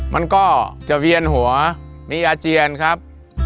มันก็จะเวียนหัวมีอาเจียนครับ